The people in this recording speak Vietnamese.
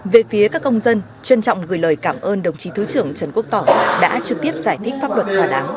về phía các công dân trân trọng gửi lời cảm ơn đồng chí thứ trưởng trần quốc tỏ đã trực tiếp giải thích pháp luật thỏa đáng